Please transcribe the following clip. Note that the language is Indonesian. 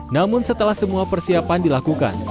namun setelah semua persiapan dilakukan